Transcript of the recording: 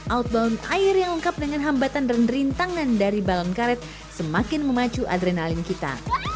outbound air yang lengkap dengan hambatan dan rintangan dari balon karet semakin memacu adrenalin kita